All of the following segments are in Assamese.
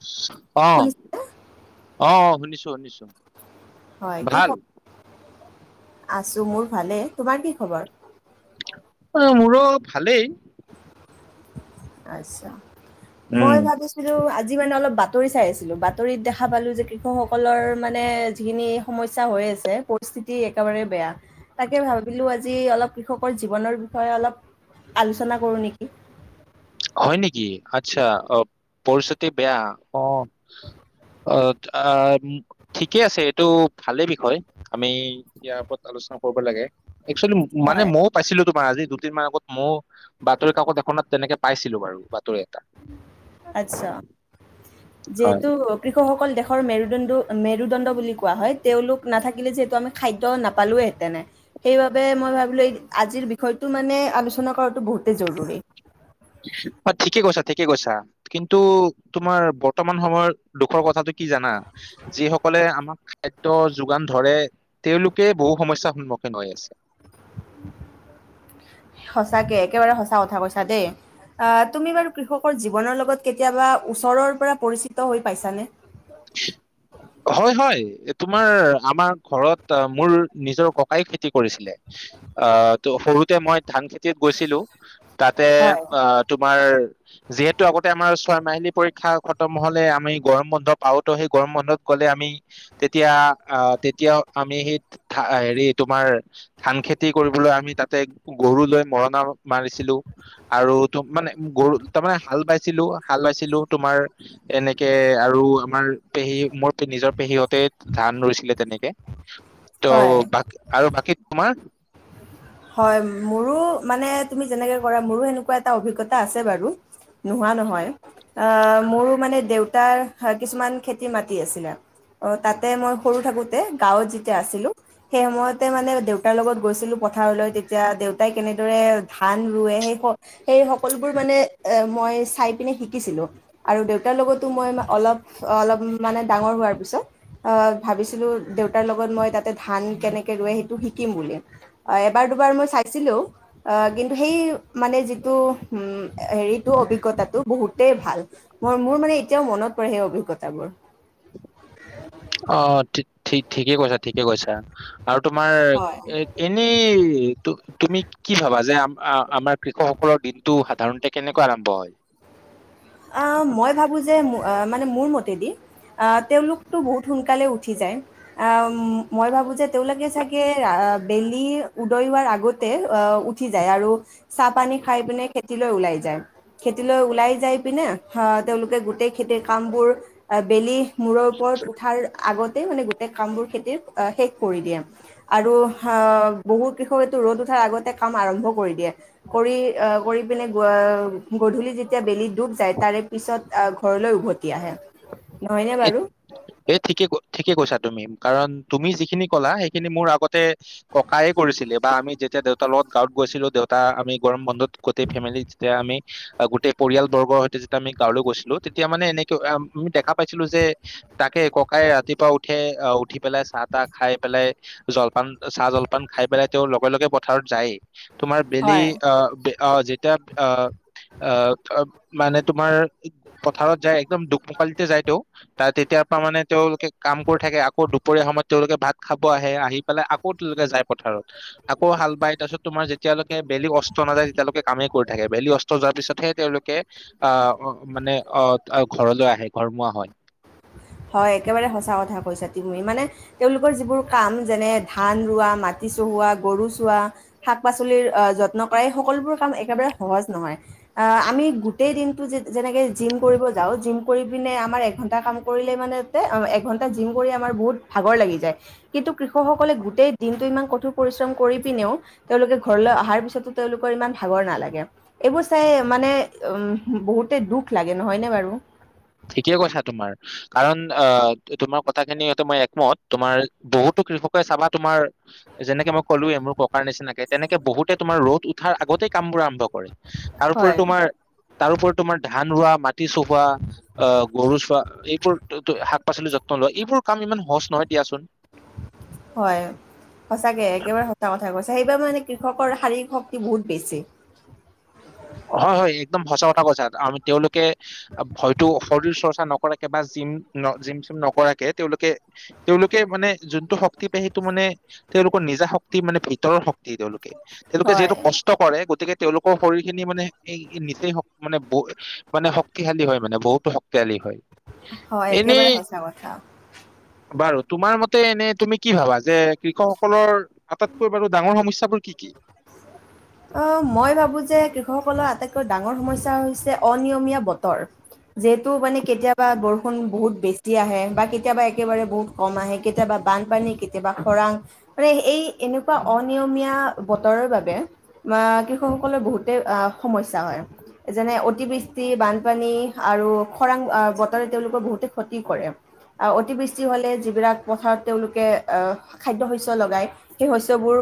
স [unintelligible] অহ', শুনিছা? - অহ', - অহ ', শুনিছো। শ নিশ্চয় হয় কি খবৰ? আছো মোৰ ভালে তোমাৰ কি খবৰ? অহ ', মোৰো ভালেই। আচ্ছা। উম মই ভাবিছিলো আজি মানে অলপ বা বাতৰি চাই আছিলোঁ বাতৰিত দেখা পালোঁ যে কৃষকসকলৰ মানে যিখিনি সমস্যা হৈ আছে পৰিস্থিতি একেবাৰে বেয়া, তাকে ভাবিলোঁ আজি অলপ কৃষকৰ জীৱনৰ বিষয়ে অলপ আলোচনা কৰোঁ নেকি। হয় নেকি আচ্ছা অহ ', পৰিস্থিতি বেয়া অহ ', - অহ ', ঠিকে আছে এইটো ভালেই বিষয় আমি ইয়াৰ ওপৰত আলোচনা কৰিব লাগে। একচুৱেলি মানে হয়, ময়ও পাইছিলো ত। আজি দুদিনমান আগত মোৰ বাতৰি কাকত এখনত তেনেকে। পাইছিলো বাৰু বাতৰি এটা। আচ্ছা হয় যিহেতু কৃষকসকল দেখ মেৰুদণ্ড -মেৰুদণ্ড বুলি কোৱা হয় তেওঁলোক নাথাকিলে যিহেতু আমি খাদ্য নাপালোহেঁতেনে সেইবাবে মই ভাবিলোঁ আজিৰ বিষয়টো মানে আলোচনা কৰাটো বহুতেই জৰুৰী। হয় ঠিকে কৈছা -ঠিকে কৈছা কিন্তু তোমাৰ বৰ্তমান সময়ৰ দুখৰ কথাটো। কি জানা যিসকলে আমাক খাদ্য যোগান ধৰে তেওঁলোকে বহু সমস্যাৰ সন্মুখীন হৈ আছে। সঁচাকে একেবাৰে সঁচা কথা কৈছা দেই আহ ', তুমি বাৰু কৃষকৰ জীৱনৰ লগত কেতিয়াবা ওচৰৰ পৰা পৰিচিত হৈ পাইছানে। হয় -হয় তোমাৰ আমাৰ। ঘৰত মোৰ নিজৰ ককাই খেতি কৰিছিলে। আহ', ত সৰুতে মই। ধান খেতিত গৈছিলো তাতে হয় অহ ', তোমাৰ যিহেতু আগতে আমাৰ। হয়, মাহিলী পৰীক্ষা খতম হলে আমি গৰম বন্ধ। পাওতো সেই গৰম বন্ধত গলে আমি তেতিয়া আহ', তেতিয়া আমি সেইা হেৰি তোমাৰ ধান খেতি কৰিবলৈ আমি তাতে গৰু লৈ মৰণা মাৰিছিলো আৰু মানে গৰু তাৰমানানে হাল বাইছিলো- হাল বাইছিলো তোমাৰ এনেকে আৰু আমাৰ পেহী মোৰ নিজৰ পেহীহতে ধান ৰুইছিলে তেনেকে। হয় ত' ব আৰু বাকী তোমাৰ? হয়, মোৰো মানে তুমি যেনেকে কৰা মোৰো সেনেকুৱা এটা অভিজ্ঞতা আছে বাৰু নোহোৱা নহয়। অহ ', মোৰ মানে দেউত তাৰ কিছুমান খেতি মাটি আছিলে অহ ', তাতে মই সৰু থাকোতে গাঁৱত যেতিয়া আছিলো সেই সময়তে মানে দেউতাৰ লগত গৈছিলো। প ল তেতিয়া দেউতাই কেনেদৰে ধান ৰুৱে সেই সেই সকলোবোৰ মানে মই চাই পিনে শিকিছিলো। আৰু দেউতাৰ লগতো মই অলপ -অলপ মানে ডাঙৰ হোৱাৰ পিছত ভাবিছিলো দেউতাৰ লগত মই তাতে ধান কেনেকে ৰুৱে সেইটো শিকিম বুলি। এবাৰ দুবাৰ মই চাইছিলোও কিন্তু সেই মানে যিটো হেৰিটো অভিজ্ঞতাটো বহুতেই ভাল মোৰ মোৰ মানে এতিয়াও মনত পৰে সেই অভিজ্ঞতাবোৰ। অহ ', ঠিক ঠিকে কৈছা- ঠিকে কৈছা। আৰু তোমাৰ হয় এহ ', এনেই তুমি কি ভাবা যে আ আমাৰ কৃষকসকলৰ দিনটো সাধাৰণতে কেনেকুৱা আৰম্ভ হয়। অ মই ভাবো যে মানে মোৰ মতেদি আহ তেওঁলোকতো বহুত সোনকালে উঠি যায়। আহ মই ভাবো যে তেওঁলোকে চাগে বেলি উদয় হোৱাৰ আগতে উঠি যায় আৰু চাহ পানী খাই পিনে খেতিলৈ ওলাই যায়। খেতিলৈ ওলাই যাই পিনে অ তেওঁলোকে গোটেই খেতিৰ কাম বোৰ বেলি মূৰৰ ওপৰত উঠাৰ আগত মানে গোটেই কাম বোৰ খেতিৰ শেষ কৰি দিয়ে আৰু আহ বহু কৃষকো ৰ'দ উঠাৰ আগতে কাম আৰম্ভ কৰি দিয়ে কৰি আহ কৰি পিনে গধূলি যেতিয়া বেলি দুব তাৰে পিছত ঘৰলৈ উভতি আহে। নহয়নে বাৰু? এ' ঠিকে ক, ঠিকে কৈছা তুমি কাৰণ তুমি যিখিনি ক'লা সেইখিনি মোৰ আগতে ককায়ে কৰিছিলে বা আমি যেতিয়া দেউতাৰ লগত গাঁৱত গৈছিলো দেউতা আমি গৰম বন্ধত গোটেই ফেমিলি যেতিয়া আমি গোটেই পৰিয়াল বৰ্গৰ সৈতে যেতিয়া আমি গাঁৱলৈ গৈছিলো, তেতিয়া মানে এনেকে আমি দেখা পাইছিলো যে তাকে ককাই ৰাতিপুৱা উঠে, আহ' উঠি পেলাই চাহ তাহ খাই পেলাই, জলপান চাহ জলপান খাই পেলাই তেওঁ লগে লগে পথাৰত যায়েই। তোমাৰ বেলি হয় অ' অ' যেতিয়া অ', অ' মানে তোমাৰ পথাৰত যায় একদম দুখমুকালিতে যায় তেওঁ [unintelligible] মানে তেওঁলোকে কাম কৰি থাকে আকৌ দুপৰীয়া সময়ত তেওঁলোকে ভাত খাব আহে, আহি পেলাই আকৌ তেওঁলোকে যায় পথাৰত, আকৌ হাল বাই, তাৰপিছত তোমাৰ যেতিয়ালৈকে বেলি অস্ত্ৰ নাযায় তেতিয়ালৈকে কামেই কৰি থাকে বেলি অস্ত্ৰ যোৱাৰ পিছতহে তেওঁলোকে আহ মানে আহ ঘৰলৈ আহে ঘৰমুৱা হয়। হয়, একেবাৰে সঁচা কথা কৈছা তুমি, মানে তেওঁলোকৰ যিবোৰ কাম, যেনে ধান ৰোৱা, মাটি চহোৱা, গৰু চোৱা, শাক পাচলিৰ আহ' যত্ন কৰা এই সকলোবোৰ কাম একেবাৰে সহজ নহয়। আহ' আমি গোটেই দিনটো যে যেনেকে জিম কৰিব যাও জিম কৰি পিনে আমাৰ এঘন্টা কাম কৰিলে মানে এঘন্টা জিম কৰি আমাৰ বহুত ভাগৰ লাগি যায়, কিন্তু কৃষকসকলে গোটেই দিনটো ইমান কঠোৰ পৰিশ্ৰম কৰি পিনেও তেওঁলোকে ঘৰলৈ অহাৰ পিছতো তেওঁলোকৰ ইমান ভাগৰ নালাগে। এইবোৰ চাই মানে উম, বহুতে দুখ লাগে নহয়নে বাৰু? ঠিকেই কৈছা তোমাৰ, কাৰণ অ' তোমাৰ কথাখিনি মই একমত, তোমাৰ বহুতো কৃষকে চাবা তোমাৰ যেনেকে মই ক'লো মোৰ ককাৰ নিচিনাকে তেনেকে বহুতে তোমাৰ ৰ'দ উঠাৰ আগতেই কামবোৰ আৰম্ভ কৰে তাৰোপৰি হয়। তোমাৰ, তাৰোপৰি তোমাৰ ধান ৰোৱা, মাটি চহোৱা। গৰু চোৱা, এইবোৰ শাক পাচলি যত্ন লোৱা এইবোৰ কাম ইমান সহজ নহয় দিয়াচোন। হয়, সঁচাকে একেবাৰে সঁচা কথা কৈছে সেইবাৰ মানে কৃষকৰ শাৰীৰিক শক্তি বহুত বেছি। হয় হয়, একদম সচা কথা কথা কৈছা, তেওঁলোকে হয়তো শৰীৰ চৰ্চা নকৰাকে বা জিম, জিম চিম নকৰাকে তেওঁলোকে তেওঁলোকে মানে যোনটো শক্তি পায় সেইটো মানে তেওঁলোকৰ নিজা শক্তি মানে ভিতৰৰ শক্তি দি তেওঁলোকে, তেওঁলোকে হয় যিহেতু কষ্ট কৰে গতিকে তেওঁলোকৰ শৰীৰ স খিনি মানে, এই নিচেই মানে ব মানে শক্তিশালী হয় মানে বহুতো শক্তিশালী হয়। হয় এনেই একেবাৰে সঁচা কথা। বাৰু তোমাৰ মতে এনে তুমি কি ভাবা যে কৃষকসকলৰ আটাইতকৈ বাৰু ডাঙৰ সমস্যাবোৰ কি কি? অ' মই ভাবো যে কৃষকসকলৰ আটাইতকৈ ডাঙৰ সমস্যা হৈছে অনিয়মীয়া বতৰ। যিহেতু মানে কেতিয়াবা বৰষুণ বহুত বেছি আহে বা কেতিয়াবা একেবাৰে বহুত কম আহে, কেতিয়াবা বানপানী, কেতিয়াবা খৰাং মানে এই এনেকুৱা অনিয়মীয়া বতৰৰ বাবে মা কৃষকসকলৰ বহুতে আ' সমস্যা হয় যেনে অতিবৃষ্টি বানপানী আৰু খৰাং বতৰে তেওঁলোকৰ বহুতে ক্ষতি কৰে। অতিবৃষ্টি হ'লে যিবিলাক পথাৰত তেওঁলোকে খাদ্য শস্য লগায় সেই শস্যবোৰ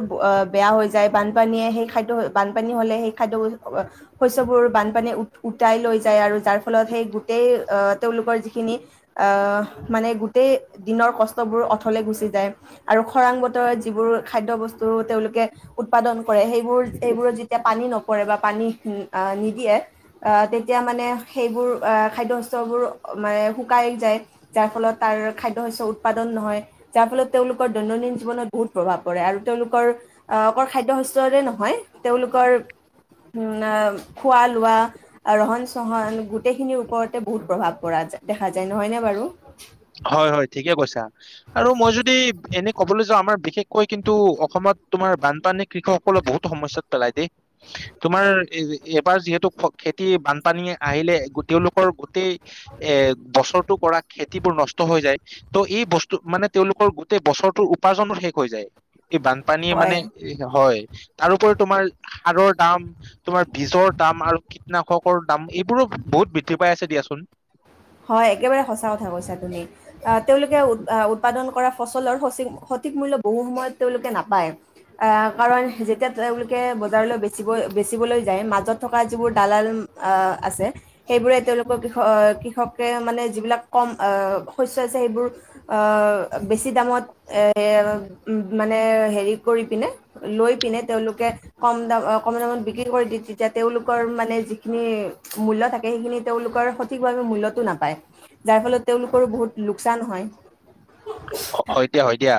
বেয়া হৈ যায়, বানপানীয়ে সেই অ' বানপানী হলে হেই, [unintelligible] শস্যবোৰ বানপানীয়ে উতাই লৈ যায় আৰু যাৰ ফলত সেই গোটেই তেওঁলোকৰ যিখিনি ও, মানে গোটেই দিনৰ কষ্টবোৰ অথলে গুচি যায় আৰু খৰাং বতৰত যিবোৰ খাদ্য বস্তু তেওঁলোকে উৎপাদন কৰে সেইবোৰ সেইবোৰত যেতিয়া পানী নপৰে বা পানী নিদিয়ে, আহ' তেতিয়া মানে সেইবোৰ খাদ্য শস্যবোৰ মানে শুকাই যায় যাৰ ফলত তাৰ খাদ্য শস্য উৎপাদন নহয়, যাৰ ফলত তেওঁলোকৰ দৈনন্দিন জীৱনত বহুত প্ৰভাৱ পৰে আৰু তেওঁলোকৰ অকল খাদ্য শস্যৰে নহয় তেওঁলোকৰ খোৱা লোৱা, ৰহণ চহন গোটেইখিনিৰ ওপৰতে বহুত প্ৰভাৱ পৰা দেখা যায় নহয়নে বাৰু? হয় হয় ঠিকে কৈছা। আৰু মই যদি এনে কবলৈ যাওঁ আমাৰ বিশেষ কৈ কিন্তু অসমত তোমাৰ বানপানী কৃষকসকলক বহুত সমস্যাত পেলাই দেই। তোমাৰ এইবাৰ যিহেতু খেতি বানপানীয়ে আহিলে তেওঁলোকৰ গোটেই এ বছৰটো কৰা খেতিবোৰ নষ্ট হৈ যায় ত' এই বস্তু, মানে তেওঁলোকৰ গোটেই বছৰটোৰ উপাৰ্জনো শেষ হৈ যায়। এই বানপানীয়ে মানে, হয় হয়। তাৰোপৰি তোমাৰ সাৰৰ দাম। তোমাৰ বীজৰ দাম আৰু কীটনাশকৰ দাম, এইবোৰো বহুত বৃদ্ধি পাই আছে দিয়াচোন। উ [unintelligible] হয়, একেবাৰে সঁচা কথা কৈছা তুমি, আহ' তেওঁলোকে উৎ, উৎপাদন কৰা ফচলৰ সচিক, সঠিক মূল্য বহু সময়ত তেওঁলোকে নাপায়, আহ' কাৰণ যেতিয়া তেওঁলোকে বজাৰলৈ বেছিকৈ বেচিবলৈ যায়, মাজত থকা যিবোৰ দালাল আ আছে, সেইবোৰে তেওঁলোকৰ কৃষ অ কৃষক কে মানে যিবিলাক কম আ--শস্য আছে, সেইবোৰ আ বেছি দামত এ মানে হেৰি কৰি পিনে লৈ পিনে তেওঁলোকে কম দাম অ কম দামত বিক্ৰী কৰি দি, তেতিয়া তেওঁলোকৰ মানে যিখিনি মূল্য থাকে, সেইখিনি তেওঁলোকৰ সঠিকভাৱে মূল্য টো নাপায়। যাৰ ফলত তেওঁলোকৰো বহুত লোকচান হয়। হয় দিয়া হয় দিয়া।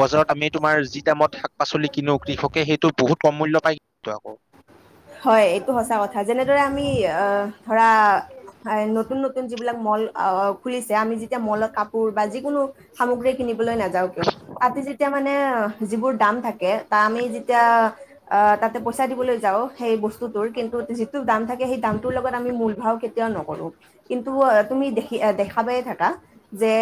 বজাৰত আমি তোমাৰ যি দামত শাক পাচলি কিনো, কৃষকে সেইটো বহুত কম মূল্য পায় কিন্তু আকৌ হয় এইটো সঁচা কথা। যেনেদৰে আমি অ ধৰা নতুন নতুন যিবিলাক মল অ অ খুলিছে, আমি যেতিয়া মলত কাপোৰ বা যিকোনো সামগ্ৰী কিনি বলৈ নাযাওঁ কিয়, তাতে যেতিয়া মানে যিবোৰ দাম থাকে, তাৰ আমি যেতিয়া আ তাতে পইছা দিবলৈ যাওঁ সেই বস্তুটোৰ কিন্তু যিটো দাম থাকে, সেই দামটোৰ লগত আমি মূল ভাব কেতিয়াওঁ নকৰোঁ। কিন্তু অ তুমি দেখি এ দেখা পাইয়ে থাকা যে,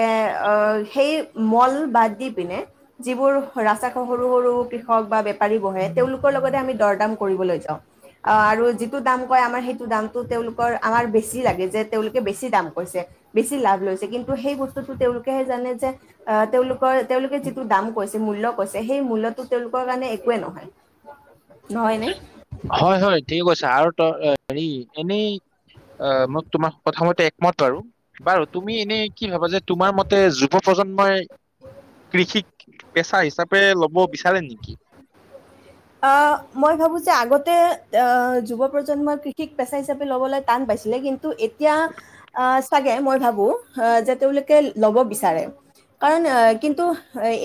অ সেই মল বাদ দি পিনে, যিবোৰ ৰাস্তা সৰু সৰু কৃষক বা বেপাৰী বহে তেওঁলোকৰ লগতে আমি দৰদাম কৰিবলৈ যাওঁ। অ আৰু যিটো দাম কয় আমাৰ সেইটো দামটো তেওঁলোকৰ আমাৰ বেছি লাগে, যে তেওঁলোকে বেছি দাম কৈছে, বেছি লাভ লৈছে কিন্তু সেই বস্তুটো তেওঁলোকেহে জানে যে, আ তেওঁলোকৰ তেওঁলোকে যিটো দাম কৈছে মূল্য কৈছে সেই মূল্যটো তেওঁলোকৰ কাৰণে একোৱেই নহয়। নহয় নে? হয় হয় ঠিকে কৈছা। আৰু ত হেৰি এনেই অ মই তোমাৰ কথামতে একমত বাৰু বাৰু তুমি এনে কি ভাবা যে, তোমাৰ মতে যুৱ প্ৰজন্মই কৃষিক পেছা হিচাপ পে ল'ব বিচাৰে নেকি? অ মই ভাবোঁ যে আগতে অ যুৱ প্ৰজন্মই কৃষিক পেছা হিচাপে ল'বলৈ টান পাইছিলে, কিন্তু এতিয়া আ ছাগে মই ভাবোঁ যে তেওঁলোকে ল'ব বিচাৰে। কাৰণ অ কিন্তু,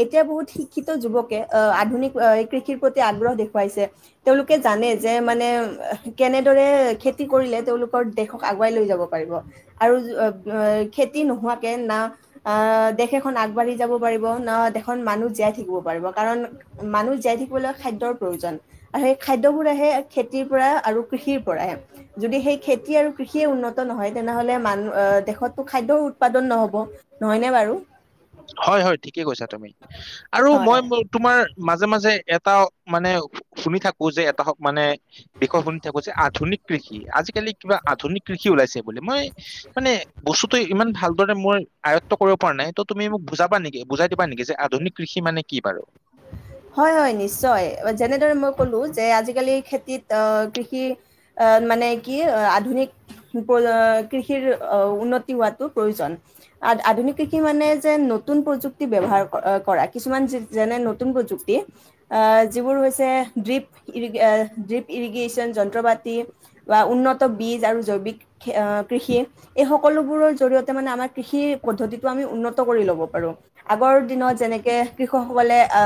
এতিয়া বহুত শিক্ষিত যুৱকে অ আধুনিক অ কৃষিৰ প্ৰতি আগ্ৰহ দেখুৱাইছে। তেওঁলোকে জানে যে, মানে কেনেদৰে খেতি কৰিলে তেওঁলোকৰ দেশক আগুৱাই লৈ যাব পাৰিব আৰু অ খেতি নোহোৱাকে না আহ দেশ এখন আগবাঢ়ি যাব পাৰিব না দেশত মানুহ জীয়াই থাকিব পাৰিব, কাৰণ মানুহ জীয়াই থাকিবলৈ খাদ্যৰ প্ৰয়োজন আৰু সেই খাদ্যবোৰ আহে খেতিৰ পৰা আৰু কৃষিৰ পৰাহে। যদি সেই খেতি আৰু কৃষিয়ে উন্নত নহয়, তেনেহলে মানু আহ দেশততো খাদ্য উৎপাদন নহ'ব। নহয়নে বাৰু হয় হয় ঠিক কে কৈছা তুমি আৰু হয় মই তোমাৰ মাজে মাজে এটা মানে শুনি থাকোঁ যে এটা শ মানে বিষয় শুনি থাকোঁ যে। আধুনিক কৃষি আজিকালি কিবা আধুনিক কৃষি ওলাইছে বোলে। মই মানে বস্তুতটো ইমান ভাল [unintelligible] মই আয়ত্ব কৰিব পৰা নাই। ত তুমি মোক বুজাবা নেকি? বুজাই দিবা নেকি, যে আধুনিক কৃষি মানে কি বাৰু? হয় হয় নিশ্চয় যেনেদৰে মই ক'লো যে, আজিকালি খেতিত অ কৃষি--অ মানে কি, আধুনিক [unintelligible] কৃষিৰ উন্নতি হোৱাটো প্ৰয়োজন। আধ আধুনিক কৃষি মানে যে নতুন প্ৰযুক্তি ব্যৱহাৰ ক কৰা। কিছুমান যেনে নতুন প্ৰযুক্তি। আ যিবোৰ হৈছে ৰিপ ইৰিগেশ্যন, যন্ত্ৰ-পাতি বা উন্নত বীজ আৰু জৈৱিক কৃষি এই সকলোবোৰৰ জৰিয়তে মানে আমাৰ কৃষি পদ্ধতিটো আমি উন্নত কৰি ল'ব পাৰোঁ। আগৰ দিনত যেনেকে কৃষকসকলে আ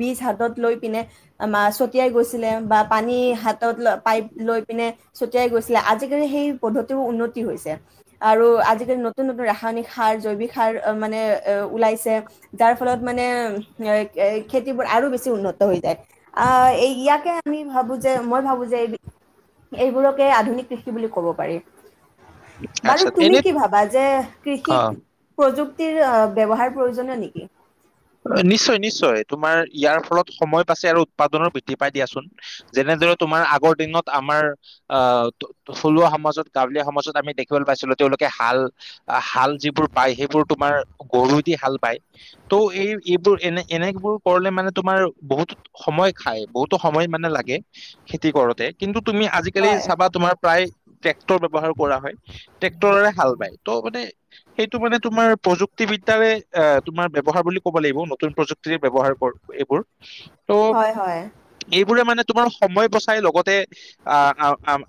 বীজ হাতত লৈ পিনে মাঁহ ছটিয়াই গৈছিলে বা পানী হাত ত লৈ পাইপ লৈ পিনে ছটিয়াই গৈছিলে। আজিকালি সেই পদ্ধতিও উন্নতি হৈছে আৰু আজিকালি নতুন নতুন ৰাসায়নিক সাৰ, জৈৱিক সাৰ মানে ওলাইছে, যাৰ ফলত মানে এ খেতিবোৰ আৰু বেছি উন্নত হৈ যায়। আ এই ইয়াকে আমি ভাবোঁ যে, মই ভাবোঁ যে, এইবোৰকে আধুনিক কৃষি বুলি ক'ব পাৰি। আচ্ছা বাৰু তুমি এনে কি ভাবা? যে, কৃষিক অ প্ৰযুক্তিৰ ব্যৱহাৰ প্ৰয়োজনীয় নেকি নিশ্চয় নিশ্চয় তোমাৰ ইয়াৰ ফলত সময় পাইছে আৰু উৎপাদনৰো বৃদ্ধি পাই দিয়াচোন যেনেদৰে তোমাৰ আগৰ দিনত আমাৰ আহ থলুৱা সমাজত গাঁৱলীয়া সমাজত আমি দেখিবলৈ পাইছিলো তেওঁলোকে হাল হাল যিবোৰ পায় সেইবোৰ তোমাৰ গৰু দি হাল পায় ত এই এইবোৰ এনে এনেবোৰ কৰিলে মানে তোমাৰ বহুত সময় খায় বহুতো সময় মানে লাগে খেতি কৰোতে কিন্তু তুমি আজিকালি হয় চাবা তোমাৰ প্ৰায় এক ব্যৱহাৰ কৰা হয় ট্ৰেক্টৰৰে হাল বায় ত' মানে সেইটো মানে তোমাৰ প্ৰযুক্তিবিদ্যাৰে অ তোমাৰ ব্যৱহাৰ বুলি ক'ব লাগিব নতুন প্ৰযুক্তিৰে ব্যৱহাৰ কৰ এইবোৰ ত' হয় হয় এইবোৰে মানে মাৰ সময় বচাই লগতে আ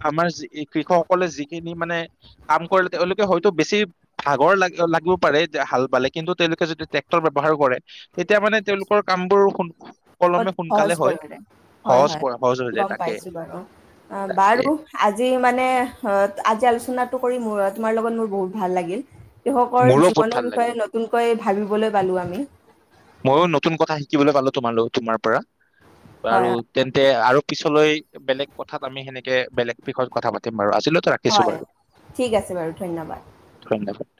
আমাৰ কৃষকসকলে যিখিনি মানে কাম কৰিলে তেওঁলোকে হয়তো বেছি ভাগৰ লাগ লাগিব পাৰে হাল বালে কিন্তু তেওঁলোকে যদি ট্ৰেক্টৰ বৱাৰ কৰে তেতিয়া মানে তেওঁলোকৰ কাম বোৰ অতি সহজ কৰিৰে হয় প- সহজ হৈ হয় যায় গম তাকে পাইছো বাৰু অ তাকে বাৰু আজি মানে আজি আলোচনাত তোমাৰ লগত মোৰ বহুত ভাল লাগিল কৃষকৰ মোৰো বহুত ভাল জীৱনৰ লাগিল বিষয়ে নতুনকৈ ভাবিবলৈ পালোঁ আমি ময়ো নতুন কথা শিকিবলৈ পালো তোমালৈ তোমাৰ পৰা হয় আৰু তেন্তে আৰু পিছলৈ বেলেগ কথাত আমি সেনেকে বেলেগ বিষয়ত কথা পাতিম বাৰ ছিল ৰাখিছো হয় হয় বাৰু ঠিক আছে বাৰু ধন্যবাদ ধন্যবাদ